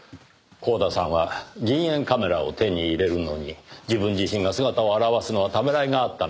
光田さんは銀塩カメラを手に入れるのに自分自身が姿を現すのはためらいがあったのでしょう。